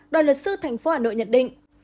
đòi luật sư thành phố hà nội nhận định